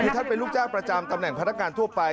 คือท่านเป็นลูกจ้างประจำตำแหน่งพนักงานทั่วไป